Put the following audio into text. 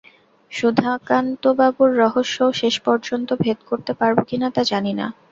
সুধাকান্তবাবুর রহস্যও শেষ পর্যন্ত ভেদ করতে পারব কি না তা জানি না।